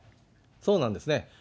そうなんですね。